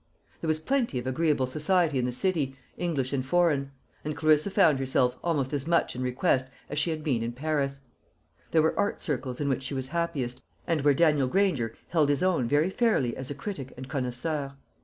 There was plenty of agreeable society in the city, English and foreign; and Clarissa found herself almost as much in request as she had been in Paris. There were art circles in which she was happiest, and where Daniel Granger held his own very fairly as a critic and connoisseur.